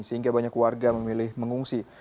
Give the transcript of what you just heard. sehingga banyak warga memilih mengungsi